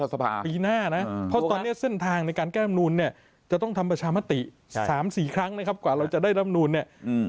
ต้องไปโบสถ์กันปีหน้าตอนนี้เส้นทางในการแก้รำนูนจะต้องทำประชามธิ๔ครั้งนะครับก่อนเราจะได้แบบแบบมัน